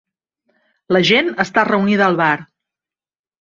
La gent està reunida al bar.